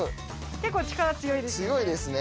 結構力強いですよね。